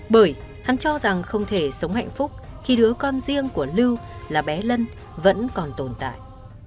bởi hắn cho rằng không thể sống hạnh phúc khi đứa con riêng của lưu là bé lân vẫn còn tồn tại